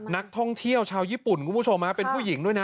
นักท่องเที่ยวชาวญี่ปุ่นคุณผู้ชมเป็นผู้หญิงด้วยนะ